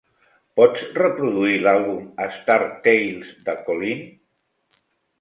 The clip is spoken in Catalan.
Pots reproduir l'àlbum Star Tales de Colleen?